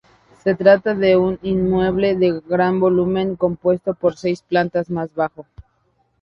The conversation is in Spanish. Se trata de un inmueble de gran volumen, compuesto por seis plantas más bajo.